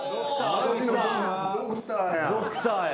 ドクターや。